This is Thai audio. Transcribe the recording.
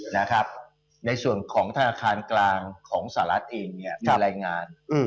นะครับในส่วนของธนาคารกลางของเสารัฐเองเนี่ยไล่งาน